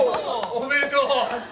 おめでとう。